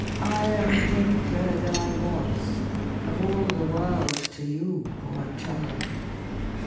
I am gentler than I was. Of all the world, to you, poor child